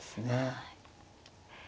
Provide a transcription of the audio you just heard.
はい。